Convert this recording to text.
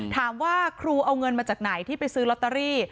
ถามว่าครูเอาเงินมาจากไหนที่ไปซื้อลอตเตอรี่